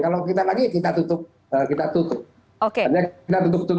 kalau kita lagi kita tutup